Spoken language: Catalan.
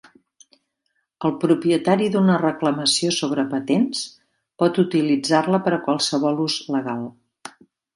El propietari d'una reclamació sobre patents pot utilitzar-la per a qualsevol ús legal.